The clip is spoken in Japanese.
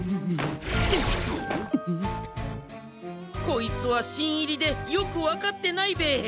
こいつはしんいりでよくわかってないべえ。